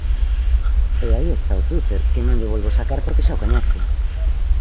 E aí está o twitter, que non llo volvo sacar porque xa o coñece.